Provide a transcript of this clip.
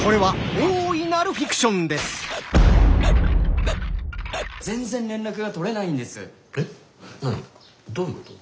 どういうこと？